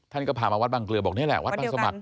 ท่านก็พามาวัดบางเกลือบอกนี่แหละวัดบางสมัคร